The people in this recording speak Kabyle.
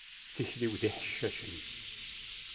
Tikli-w d iḥeccacen